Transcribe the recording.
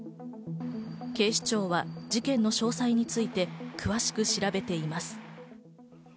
警視庁は事件の詳細について詳しく調べています。